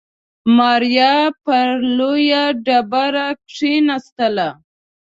ماريا پر لويه ډبره کېناسته.